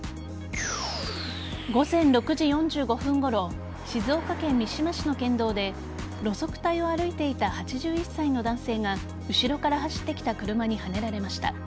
午前６時４５分ごろ静岡県三島市の県道で路側帯を歩いていた８１歳の男性が後ろから走ってきた車にはねられました。